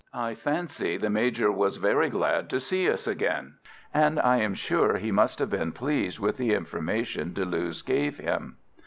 I fancy the Major was very glad to see us again, and I am sure he must have been pleased with the information Deleuze gave him.